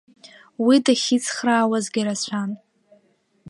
Уи дахьицхраауазгьы рацәан.